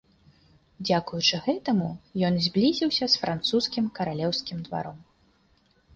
Дзякуючы гэтаму ён зблізіўся з французскім каралеўскім дваром.